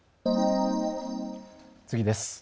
次です。